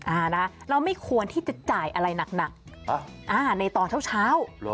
อ่านะเราไม่ควรที่จะจ่ายอะไรหนักในตอนเช้า